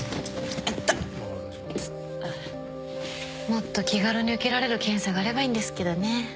もっと気軽に受けられる検査があればいいんですけどね。